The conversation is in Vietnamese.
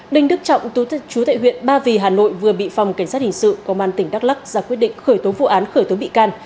đình đức trọng tù chú tại huyện ba vì hà nội vừa bị phòng cảnh sát hình sự công an tỉnh đắk lắc ra quyết định khởi tố vụ án khởi tố bị can